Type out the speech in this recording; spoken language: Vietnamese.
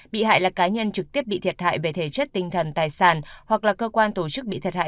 bị hại là cá nhân trực tiếp bị thiệt hại về thể chất tinh thần tài sản hoặc là cơ quan tổ chức bị thiệt hại